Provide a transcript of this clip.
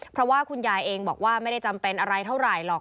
เพราะว่าคุณยายเองบอกว่าไม่ได้จำเป็นอะไรเท่าไหร่หรอก